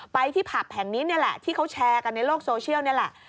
ที่ผับแห่งนี้นี่แหละที่เขาแชร์กันในโลกโซเชียลนี่แหละ